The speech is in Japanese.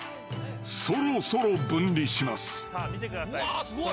［そろそろ分離します］